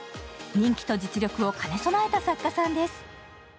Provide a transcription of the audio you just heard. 人気と実力を兼ね備えた作家さんです。